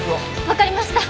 わかりました。